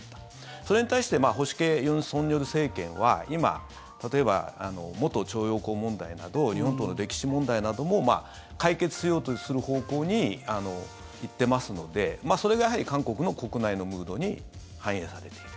それに対して保守系、尹錫悦政権は今、例えば元徴用工問題など日本との歴史問題なども解決しようとする方向に行ってますのでそれが、やはり韓国の国内のムードに反映されている。